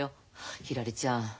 ひらりちゃん